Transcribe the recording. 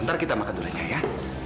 ntar kita makan dulunya ya